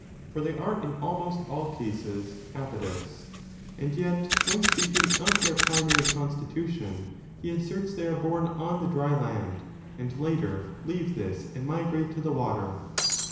For they are, in almost all cases, apodoua And yet, when speaking of their primary constitution, he asserts they are bom on the dry land and later leave this and migrate to the water.